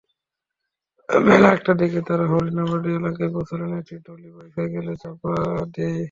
বেলা একটার দিকে তারা হরিনাবাড়ী এলাকায় পৌঁছালে একটি ট্রলি বাইসাইকেলটিকে চাপা দেয়।